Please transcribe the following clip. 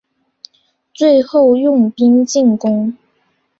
最后用兵进攻。